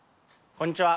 こんにちは。